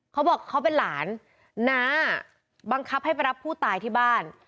เขาบอกเขาเป็นหลานน้าบังคับให้ไปรับผู้ตายที่บ้าน